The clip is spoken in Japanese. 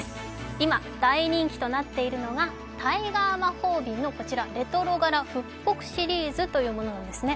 今、大人気となっているのがタイガー魔法瓶のレトロ柄復刻シリーズというものなんですね。